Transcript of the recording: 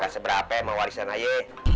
seberapa emang warisan aie